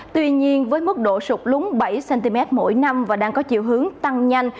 tuy nhiên với mức độ sụp lúng bảy cm mỗi năm và đang có chiều hướng tăng nhanh